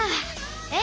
え？